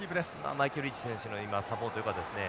マイケルリーチ選手の今サポートよかったですね。